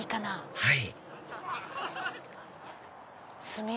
はい。